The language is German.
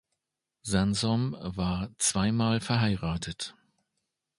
Sansom war zwei Mal verheiratet.